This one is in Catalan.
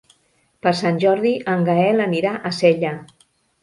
Per Sant Jordi en Gaël anirà a Sella.